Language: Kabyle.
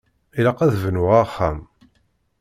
Ilaq ad d-bnuɣ axxam.